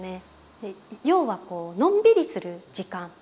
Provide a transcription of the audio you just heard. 要はのんびりする時間。